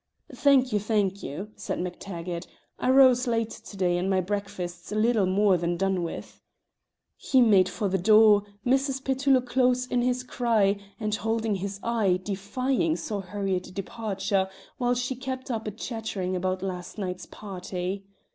"Thank you, thank you," said MacTaggart. "I rose late to day, and my breakfast's little more than done with." He made for the door, Mrs. Petullo close in his cry and holding his eye, defying so hurried a departure, while she kept up a chattering about the last night's party.